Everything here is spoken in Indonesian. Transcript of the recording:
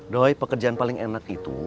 doi pekerjaan paling enak itu